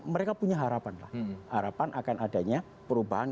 mereka punya harapan lah harapan akan adanya perubahan